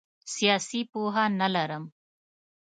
سیاسي پوهه نه لرم.